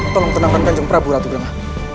tolong tenangkan kanjeng prabu ratu tengah